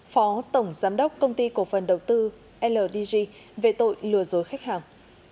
phó tổng giám đốc công ty cổ phần đầu tư ldg về tội lừa dối khách hàng